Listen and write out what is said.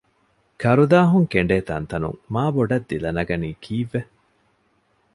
ކަރުދާހުން ކެނޑޭ ތަންތަނުން މާބޮޑަށް ދިލަނަގަނީ ކީއްވެ؟